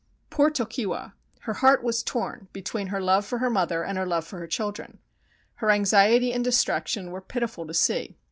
" Poor Tokiwa! Her heart was torn between her love 301 JAPAN for her mother and her love for her children. Her anxiety and distraction were pitiful to see.